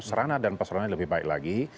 serana dan peserana yang lebih baik lagi